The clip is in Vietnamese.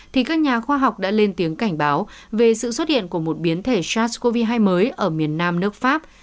thì các nhà khoa học đã lên tiếng cảnh báo về sự xuất hiện của một biến thể sars cov hai mới ở miền nam nước pháp